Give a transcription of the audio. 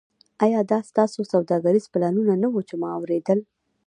ایا دا ستاسو سوداګریز پلانونه وو چې ما اوریدل